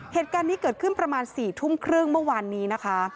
เหตุการณ์นี้เกิดขึ้นประมาณ๔ทุ่มครึ่งเมื่อวานนี้นะคะ